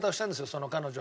その彼女は。